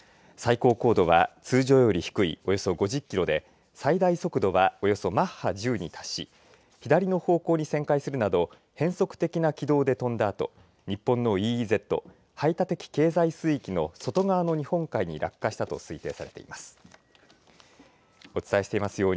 最高高度は通常より低いおよそ５０キロで最大速度はおよそマッハ１０に達し、左の方向に旋回するなど変則的な軌道で飛んだあと日本のＥＥＺ・排他的経済水域の外側の日本海に落下したと推定されています。